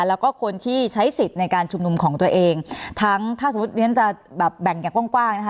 แล้วก็คนที่ใช้สิทธิ์ในการชุมนุมของตัวเองทั้งถ้าสมมุติเรียนจะแบบแบ่งอย่างกว้างกว้างนะคะ